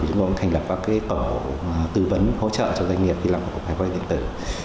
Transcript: chúng tôi cũng thành lập các tư vấn hỗ trợ cho doanh nghiệp khi làm cục hải quan điện tử